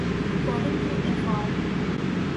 According to Fr.